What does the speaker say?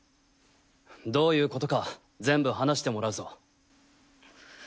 どういうことか全部話してもらうぞ。